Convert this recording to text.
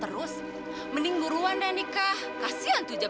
aku cuma ngerepotin kak fadil aja